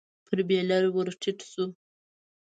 پر بېلر ور ټيټ شو.